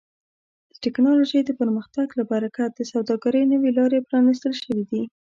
د ټکنالوژۍ د پرمختګ له برکت د سوداګرۍ نوې لارې پرانیستل شوي دي.